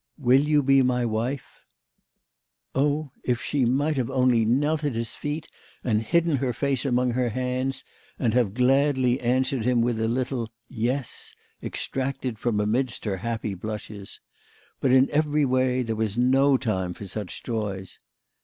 Will you be my wife?" 128 THE LADY OF LAUNAY. Oh. ! if she might only have knelt at his feet and hidden her face among her hands, and have gladly answered him with a little "Yes," extracted from amidst her happy blushes ! But, in every way, there was no time for such joys.